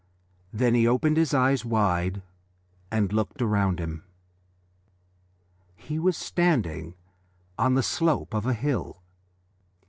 Then he opened his eyes wide and looked round him. He was standing on the slope of a hill.